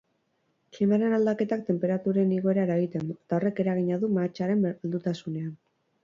Klimaren aldaketak tenperaturen igoera eragiten du eta horrek eragina du mahatsaren heldutasunean.